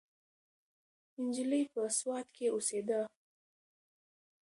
نجلۍ په سوات کې اوسیده.